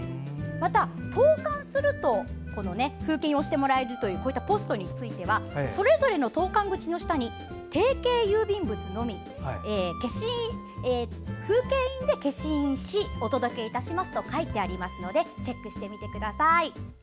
また、投函すると風景印を押してもらえるポストについてはそれぞれの投函口の下に定形郵便物のみ風景印で消印しお届けいたしますと書いてありますのでチェックしてみてください。